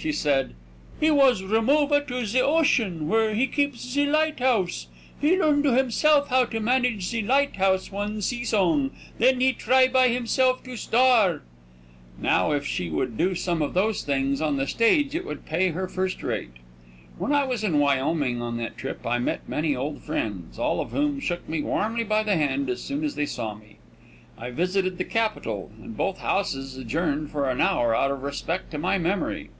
She said: "He was remova to ze ocean, where he keepa ze lighthouse. He learn to himself how to manage ze lighthouse one seasong; then he try by himself to star." Now, if she would do some of those things on the stage it would pay her first rate. When I was in Wyoming on that trip I met many old friends, all of whom shook me warmly by the hand as soon as they saw me. I visited the Capitol, and both houses adjourned for an hour out of respect to my memory.